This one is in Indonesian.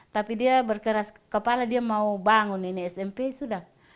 tapi dia berkeras kepala dia mau bangun ini smp sudah